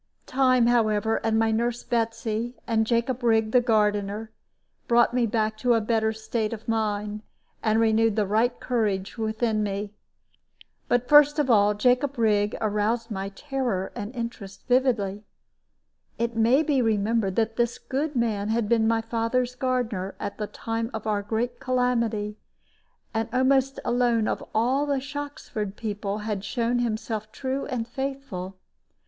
Time, however, and my nurse Betsy, and Jacob Rigg the gardener, brought me back to a better state of mind, and renewed the right courage within me. But, first of all, Jacob Rigg aroused my terror and interest vividly. It may be remembered that this good man had been my father's gardener at the time of our great calamity, and almost alone of the Shoxford people had shown himself true and faithful.